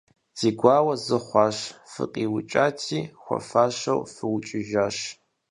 Ди гуауэ зы хъуащ - фыкъиукӀати, хуэфащэу фыукӀыжащ.